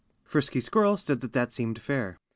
Frisky Squirrel said that that seemed fair.